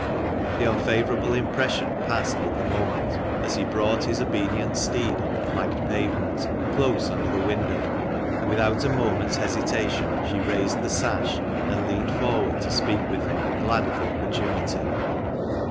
The unfavourable impression passed with the moment, as he brought his obedient steed on the flagged pavement close under the window, and, without a moment's hesitation, she raised the sash, and leaned forward to speak with him, glad of the opportunity.